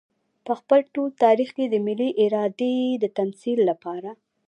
په خپل ټول تاريخ کې د ملي ارادې د تمثيل لپاره.